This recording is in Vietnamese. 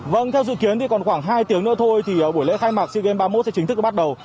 vâng theo dự kiến thì còn khoảng hai tiếng nữa thôi thì buổi lễ khai mạc sea games ba mươi một sẽ chính thức bắt đầu